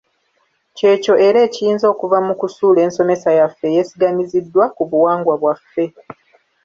Kyekyo era ekiyinza okuva mu kusuula ensomesa yaffe eyesigamiziddwa ku buwangwa bwaffe.